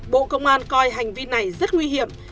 bộ công an coi hành vi này rất nguy hiểm